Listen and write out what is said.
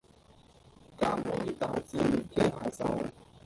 㗎妹大戰機械獸